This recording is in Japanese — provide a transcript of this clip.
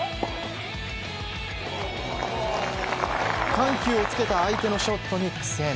緩急をつけた相手のショットに苦戦。